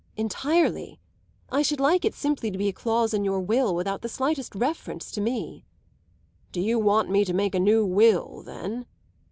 "Entirely. I should like it simply to be a clause in your will, without the slightest reference to me." "Do you want me to make a new will then?"